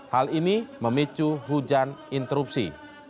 hal ini memicu hujan interupsi